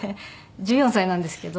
１４歳なんですけど。